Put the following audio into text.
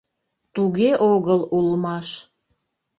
Туге огыл улмаш.